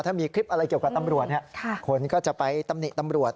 ถ้ามีคลิปอะไรเกี่ยวกับตำรวจคนก็จะไปตำหนิตำรวจ